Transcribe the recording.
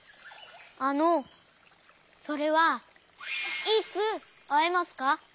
あのそれはいつあえますか？